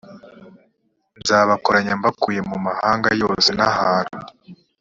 nzabakoranya mbakuye mu mahanga yose n ahantu